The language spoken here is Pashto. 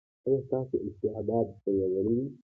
ایا ستاسو استعداد ځلیدلی دی؟